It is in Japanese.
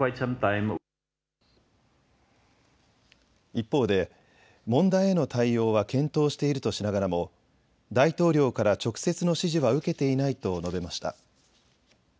一方で問題への対応は検討しているとしながらも大統領から直接の指示は受けていないと述べました。